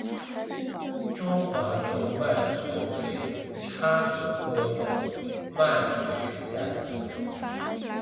中华轴脉蕨为叉蕨科轴脉蕨属下的一个种。